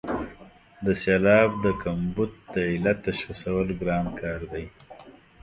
د سېلاب د کمبود د علت تشخیصول ګران کار دی.